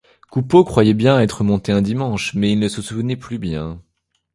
Coupeau croyait bien être monté un dimanche, mais il ne se souvenait plus bien.